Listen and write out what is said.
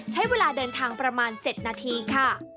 ใช้เวลาเดินทางประมาณ๗นาทีค่ะ